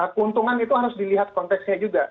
keuntungan itu harus dilihat konteksnya juga